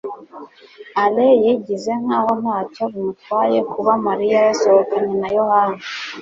alain yigize nkaho ntacyo bimutwaye kuba mariya yasohokanye na yohana